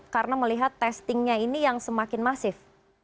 karena melihat testingnya ini yang semakin masif